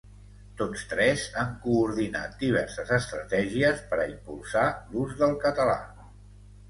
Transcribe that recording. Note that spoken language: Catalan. Tots tres han coordinat diverses estratègies per a impulsar l’ús del català.